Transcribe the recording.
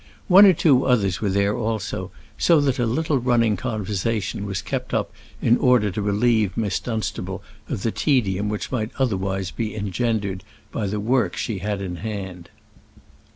One or two others were there also, so that a little running conversation was kept up, in order to relieve Miss Dunstable of the tedium which might otherwise be engendered by the work she had in hand.